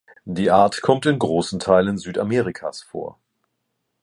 Die Art kommt in großen Teilen Südamerikas vor.